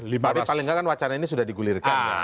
tapi paling nggak kan wacana ini sudah digulirkan